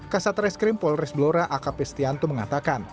kasat reskrim polres blora akp stianto mengatakan